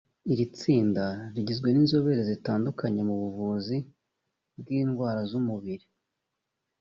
Iri tsinda rigizwe n’inzobere zitandukanye mu buvuzi bw’indwara z’umubiri